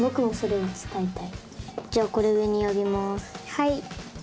はい。